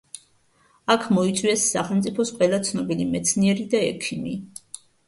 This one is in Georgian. აქ მოიწვიეს სახელმწიფოს ყველა ცნობილი მეცნიერი და ექიმი.